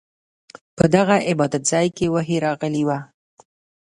په دغه عبادت ځاې کې وحې راغلې وه.